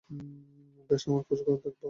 বেশ, আমরা খোঁজে দেখব?